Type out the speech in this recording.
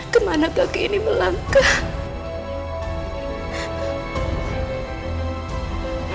kemana kaki ini melangkah